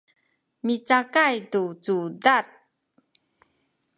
micakay tu cudad